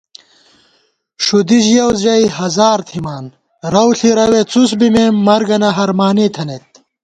ݭُدی ژِیَؤ ژَئی ہزار تھِمان، رَؤ ݪِی رَوےڅُس بِمېم، مرگنہ ہرمانےتھنَئیت